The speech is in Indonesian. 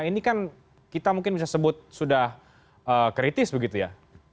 ini kan kita mungkin bisa sebut sudah kritis begitu ya